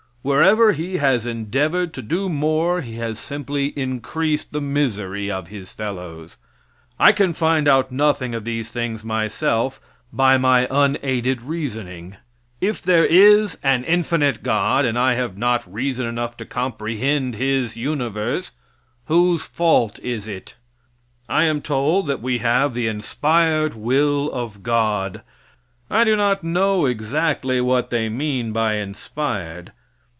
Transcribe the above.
Wherever he has endeavored to do more he has simply increased the misery of his fellows. I can find out nothing of these things myself by my unaided reasoning. If there is an infinite God and I have not reason enough to comprehend His universe, whose fault is it? I am told that we have the inspired will of God. I do not know exactly what they mean by inspired.